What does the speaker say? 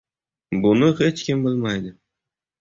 Buni hech kim bilmaydi.